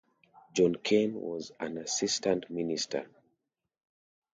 John Cain was an Assistant Minister.